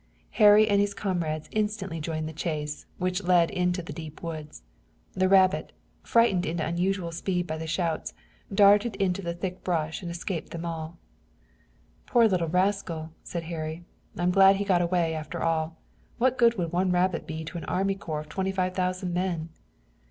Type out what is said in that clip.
Harry and his comrades instantly joined in the chase, which led into the deep woods. The rabbit, frightened into unusual speed by the shouts, darted into the thick brush and escaped them all. "Poor little rascal," said Harry, "I'm glad he got away after all. What good would one rabbit be to an army corps of twenty five thousand men?"